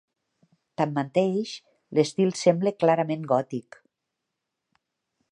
Tanmateix, l'estil sembla clarament gòtic.